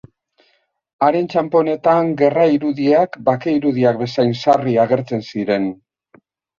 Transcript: Haren txanponetan gerra irudiak bake irudiak bezain sarri agertzen ziren.